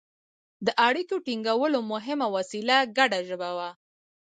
د اړیکو ټینګولو مهمه وسیله ګډه ژبه وه.